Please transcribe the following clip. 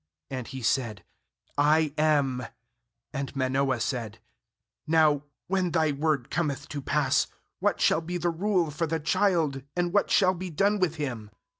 And he said: 'I am.' ^And Manoah said: 'Now when thy word cometh to pass, what shall be the rule for the child, and what shall be done with him?'